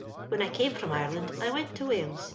Ifhao I eame from Ireland I went to Walee.